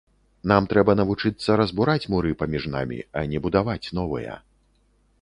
Нам трэба навучыцца разбураць муры паміж намі, а не будаваць новыя.